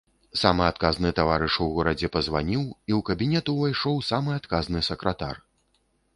Самы адказны таварыш у горадзе пазваніў, і ў кабінет увайшоў самы адказны сакратар.